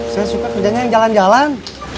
saya suka kerjanya yang jalan jalan